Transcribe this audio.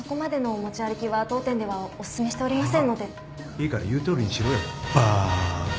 いいから言うとおりにしろよバーカ